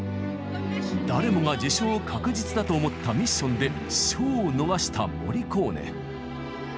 誰もが受賞確実だと思った「ミッション」で賞を逃したモリコーネ。